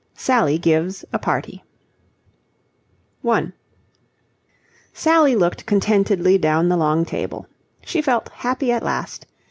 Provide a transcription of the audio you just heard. SALLY GIVES A PARTY 1 Sally looked contentedly down the long table. She felt happy at last.